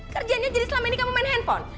kerjanya jadi selama ini kamu main handphone